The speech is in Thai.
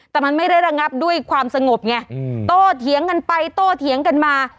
แต่มันไม่ได้ระงับด้วยความสงบไงโตเถียงกันไปโต้เถียงกันมา